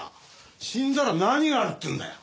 死んだら何があるっていうんだよ。